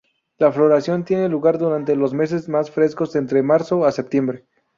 La floración tiene lugar durante los meses más frescos, entre marzo a septiembre.